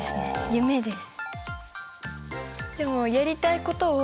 夢です。